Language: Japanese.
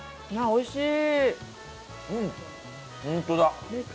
おいしい。